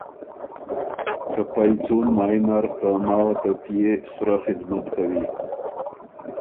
که پئ څُون مایٛ نر ته ماوه ته پئے سرۀ خدمت کوی